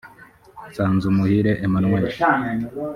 Nsanzumuhire Emmanuel